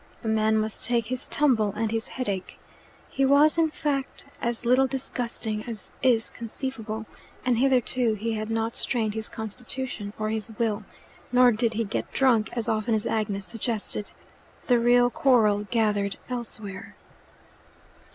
A man must take his tumble and his headache. He was, in fact, as little disgusting as is conceivable; and hitherto he had not strained his constitution or his will. Nor did he get drunk as often as Agnes suggested. The real quarrel gathered elsewhere.